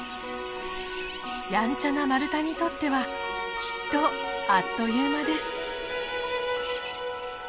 やんちゃなマルタにとってはきっとあっという間です。